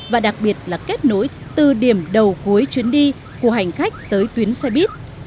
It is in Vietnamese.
và đặc biệt là kết nối từ điểm đầu gối chuyến đi của hành khách tới tuyến xe buýt